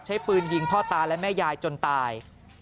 ใช้ปืนยิงพ่อตาและแม่ยายจนตาย